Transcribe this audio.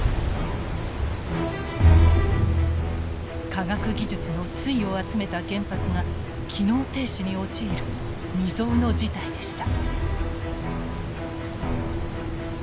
科学技術の粋を集めた原発が機能停止に陥る未曽有の事態でした。